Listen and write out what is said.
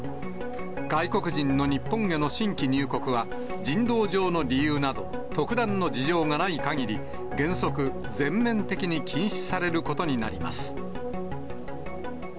外国人の日本への新規入国は、人道上の理由など特段の事情がないかぎり、原則、全面的に禁止されることになります。